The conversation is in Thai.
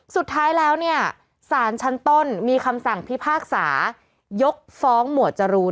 สุดท้ายแล้วเนี่ยสารชั้นต้นมีคำสั่งพิพากษายกฟ้องหมวดจรูน